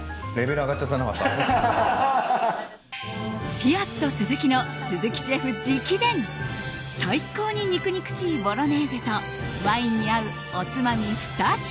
ピアットスズキの鈴木シェフ直伝最高に肉々しいボロネーゼとワインに合うおつまみ２品